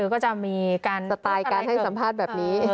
ก็จะมีการสไตล์การให้สัมภาษณ์แบบนี้